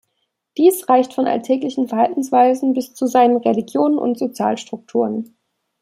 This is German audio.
Dies reicht von alltäglichen Verhaltensweisen bis zu seinen Religionen und Sozialstrukturen.